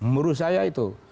menurut saya itu